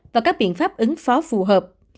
và các biện pháp ứng phó phù hợp